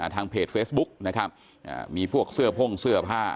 ทางเพจเฟซบุ๊กนะครับมีพวกเสื้อพ่งเสื้อผ้า